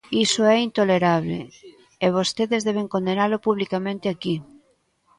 Iso é intolerable, e vostedes deben condenalo publicamente aquí.